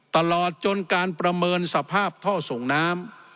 ตลอดจนการประเมินสภาพท่อส่งน้ำ